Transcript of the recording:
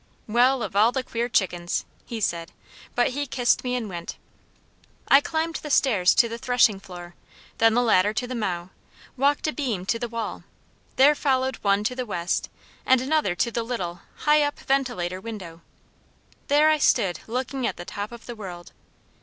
"Well of all the queer chickens!" he said, but he kissed me and went. I climbed the stairs to the threshing floor, then the ladder to the mow, walked a beam to the wall, there followed one to the east end, and another to the little, high up ventilator window. There I stood looking at the top of the world.